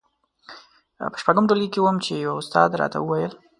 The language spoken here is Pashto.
په شپږم ټولګي کې وم چې يوه استاد راته وويل.